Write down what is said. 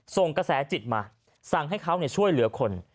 ส่งกระแสจิตมาสั่งให้เขาช่วยเหลือคน